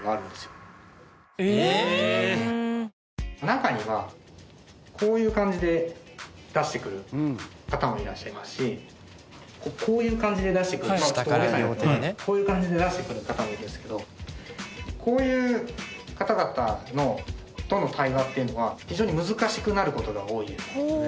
中にはこういう感じで出してくる方もいらっしゃいますしこういう感じで出してくるちょっと大げさにこういう感じで出してくる方もいるんですけどこういう方々との対話っていうのは非常に難しくなる事が多いです。